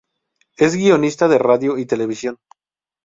Es guionista de radio y televisión.